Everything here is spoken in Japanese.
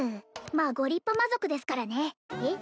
まあご立派魔族ですからねえっ？